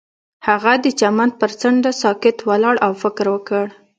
هغه د چمن پر څنډه ساکت ولاړ او فکر وکړ.